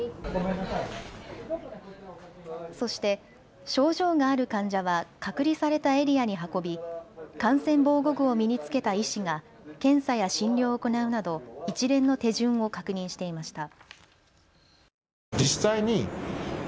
そして症状がある患者は隔離されたエリアに運び感染防護具を身に着けた医師が検査や診療を行うなど一連の手順を確認していました。